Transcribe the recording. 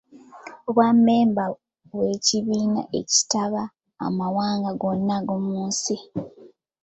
Obwammemba bw’ekibiina ekitaba amawanga gonna ag’omu nsi.